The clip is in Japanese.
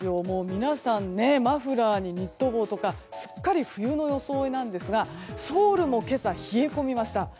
皆さんマフラーにニット帽とかすっかり冬の装いですがソウルも今朝、冷え込みました。